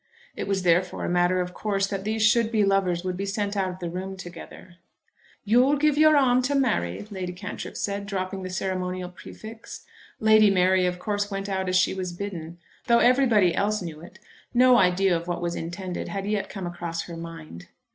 It was therefore a matter of course that these should be lovers would be sent out of the room together. "You'll give your arm to Mary," Lady Cantrip said, dropping the ceremonial prefix. Lady Mary of course went out as she was bidden. Though everybody else knew it, no idea of what was intended had yet come across her mind.